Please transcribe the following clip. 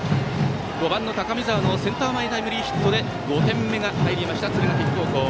５番、高見澤のセンター前タイムリーヒットで５点目が入りました、敦賀気比。